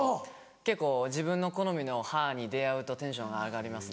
結構自分の好みの歯に出合うとテンションが上がりますね。